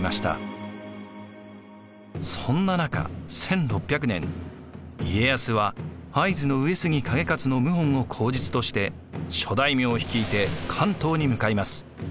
そんな中１６００年家康は会津の上杉景勝の謀反を口実として諸大名を率いて関東に向かいます。